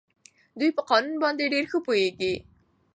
دوی په قانون باندې ډېر ښه پوهېږي.